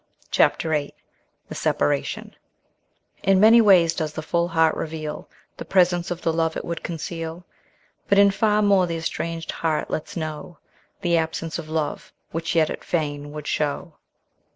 CHAPTER VIII THE SEPARATION "In many ways does the full heart reveal The presence of the love it would conceal; But in far more the estranged heart lets know The absence of the love, which yet it fain would show."